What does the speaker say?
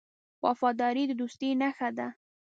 وفاداري د دوستۍ نښه ده.